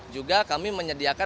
juga kami menyediakan